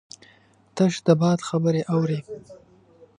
تش د باد خبرې اوري